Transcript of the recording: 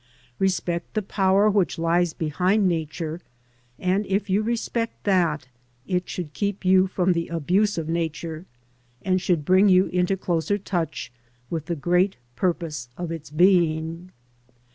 Respect the power which lies behind Nature, and if you respect that, it should keep you from the abuse of Nature, and should bring you into closer touch with the great purpose of its being.